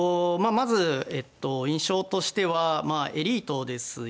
まず印象としてはまあエリートですよね。